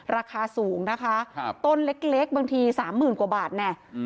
ราคาสูงนะคะต้นเล็กบางทีสามหมื่นกว่าบาทเนี่ย